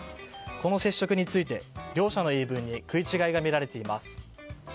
この接触について両者の言い分に食い違いがみられています。